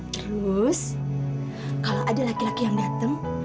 terus kalau ada laki laki yang datang